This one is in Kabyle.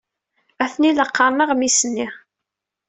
Atni la qqaren aɣmis-nni.